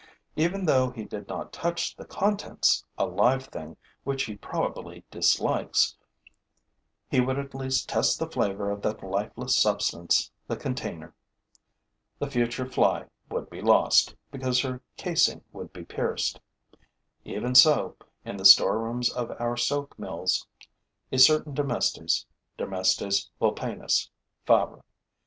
Even though he did not touch the contents, a live thing which he probably dislikes, he would at least test the flavor of that lifeless substance, the container. The future Fly would be lost, because her casing would be pierced. Even so, in the storerooms of our silk mills, a certain Dermestes (Dermestes vulpinus, FABR.)